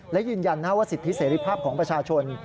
และยืนยันว่าสิทธิเสรีภาพของประชาชน